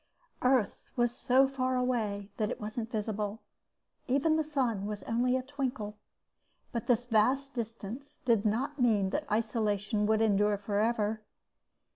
_ Earth was so far away that it wasn't visible. Even the sun was only a twinkle. But this vast distance did not mean that isolation could endure forever.